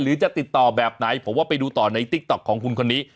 จะติดต่อแบบไหนผมว่าไปดูต่อในติ๊กต๊อกของคุณคนนี้